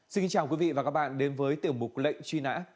xin kính chào quý vị và các bạn đến với tiểu mục lệnh truy nã